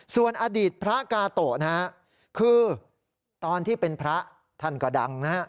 ส่วนอดีตพระกาโตะนะฮะคือตอนที่เป็นพระท่านก็ดังนะฮะ